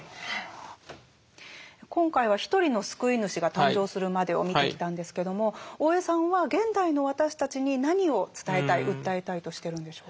今回は一人の救い主が誕生するまでを見てきたんですけども大江さんは現代の私たちに何を伝えたい訴えたいとしてるんでしょうか？